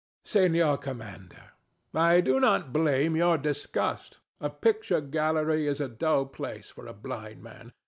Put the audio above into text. DON JUAN. Senor Commander: I do not blame your disgust: a picture gallery is a dull place for a blind man.